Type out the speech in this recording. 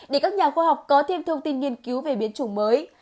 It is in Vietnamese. để các nhà khoa học có thêm thông tin nghiên cứu về biến chủng mới